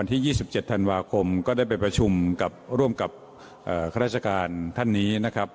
ที่๒๗ธันวาคมก็ได้ไปประชุมกับร่วมกับข้าราชการท่านนี้นะครับ